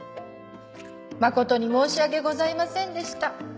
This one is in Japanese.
誠に申し訳ございませんでした。